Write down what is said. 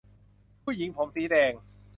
ผู้หญิงผมสีแดง !